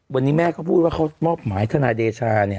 วันนี้แม่เขาพูดว่าเขามอบหมายทนายเดชา